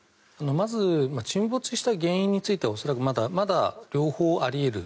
まず沈没した原因についてはまだ両方あり得る。